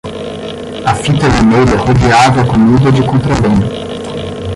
A fita vermelha rodeava a comida de contrabando.